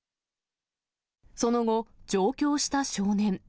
その後、上京した少年。